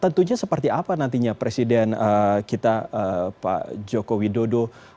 tentunya seperti apa nantinya presiden kita pak joko widodo